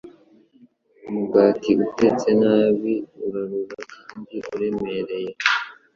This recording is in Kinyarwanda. umugati utetse nabi, urura kandi uremereye